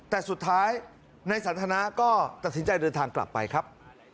แต่สุดท้ายนายสันทนาก็ตัดสินใจเดินทางกลับไปครับ